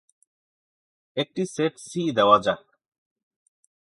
একটি set "C" দেওয়া যাক।